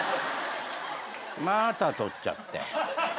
まーた取っちゃって。